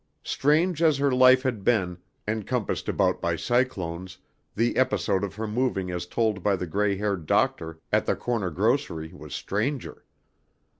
Strange as her life had been, encompassed about by cyclones, the episode of her moving as told by the gray haired doctor at the corner grocery was stranger.